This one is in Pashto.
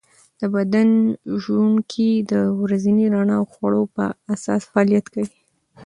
د بدن ژوڼکې د ورځني رڼا او خوړو په اساس فعالیت کوي.